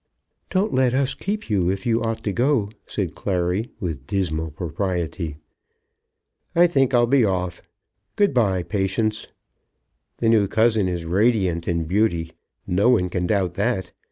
"Don't let us keep you if you ought to go," said Clary, with dismal propriety. "I think I'll be off. Good bye, Patience. The new cousin is radiant in beauty. No one can doubt that.